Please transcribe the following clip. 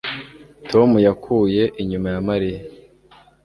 Tom yakuye inyuma ya Mariya